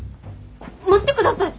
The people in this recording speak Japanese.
待ってください！